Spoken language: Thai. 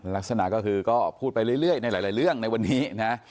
ลักษณะก็คือก็พูดไปเรื่อยในหลายเรื่องในวันนี้นะ